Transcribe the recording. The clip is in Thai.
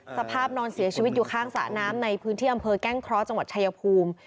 สภาพนอนเสียชีวิตอยู่ข้างสระน้ำในพื้นที่อำเภอแก้งเคราะห์จังหวัดชายภูมิ